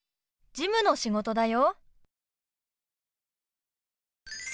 事務の仕事だよ。